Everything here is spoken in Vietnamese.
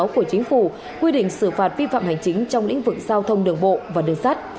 của chính phủ quy định xử phạt vi phạm hành chính trong lĩnh vực giao thông đường bộ và đường sắt